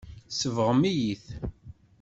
Tsebɣem-iyi-t.